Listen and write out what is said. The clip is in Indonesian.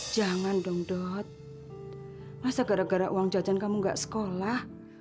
jangan dong dok masa gara gara uang jajan kamu gak sekolah